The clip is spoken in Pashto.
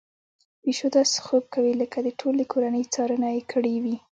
پيشو داسې خوب کوي لکه د ټولې کورنۍ څارنه يې کړې وي.